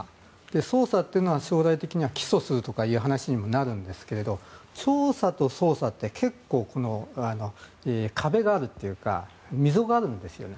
捜査というのは将来的には起訴するとかそういう話になるんですが調査と捜査って結構、壁があるっていうか溝があるんですよね。